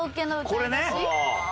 これね。